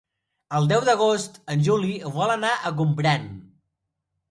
El deu d'agost en Juli vol anar a Gombrèn.